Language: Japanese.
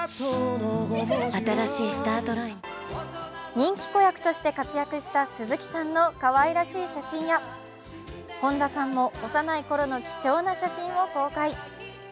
人気子役として活躍した鈴木さんのかわいらしい写真や本田さんも幼いころの貴重な写真を公開。